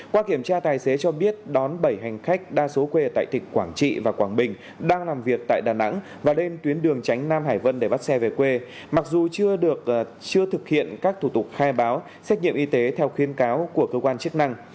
qua kiểm tra tài xế cho biết đón bảy hành khách đa số quê tại tỉnh quảng trị và quảng bình đang làm việc tại đà nẵng và lên tuyến đường tránh nam hải vân để bắt xe về quê mặc dù chưa thực hiện các thủ tục khai báo xét nghiệm y tế theo khuyên cáo của cơ quan chức năng